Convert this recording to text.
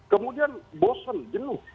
kemudian bosen jenuh